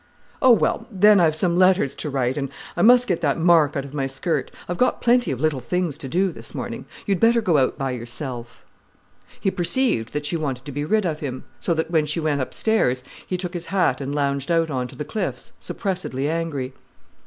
"Oh, well—then I've some letters to write, and I must get that mark out of my skirt. I've got plenty of little things to do this morning. You'd better go out by yourself." He perceived that she wanted to be rid of him, so that when she went upstairs, he took his hat and lounged out on to the cliffs, suppressedly angry.